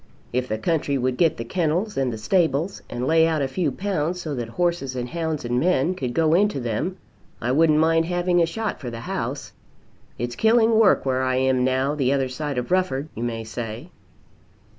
If the country would get the kennels and the stables, and lay out a few pounds so that horses and hounds and men could go into them, I wouldn't mind having a shot for the house. It's killing work where I am now, the other side of Rufford, you may say."